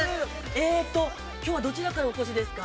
◆きょう、どちらから、お越しですか。